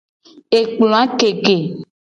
Ekploa keke.